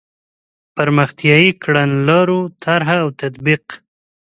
پرمختیایي کړنلارو طرح او تطبیق.